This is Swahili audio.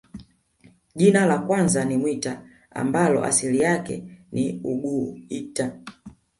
Jina la kwanza ni Mwita ambalo asili yake ni uguita